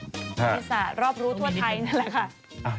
คณิตศาปน์รอบรู้ทั่วท้ายนั่นแหละค่ะ